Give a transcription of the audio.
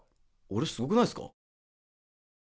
俺すごくないっすか？